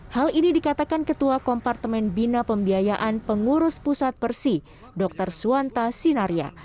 hal ini dikatakan ketua kompartemen bina pembiayaan pengurus pusat persi dr suwanta sinaria